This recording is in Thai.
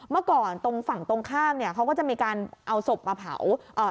เมื่อก่อนตรงฝั่งตรงข้ามเนี่ยเขาก็จะมีการเอาศพมาเผาเอ่อ